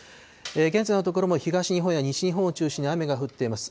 現在のところ、東日本や西日本を中心に雨が降っています。